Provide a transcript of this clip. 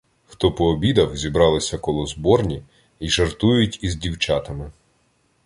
Хто пообідав, зібралися коло зборні й жартують із дівчатами.